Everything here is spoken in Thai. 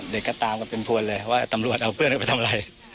เด็กก็ตามกันเป็นพวนเลยว่าตำรวจเอาเพื่อนเอาไปทำอะไร